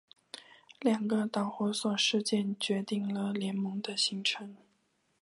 两个导火索事件决定了联盟的形成。